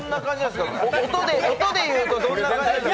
音で言うと、どんな感じ？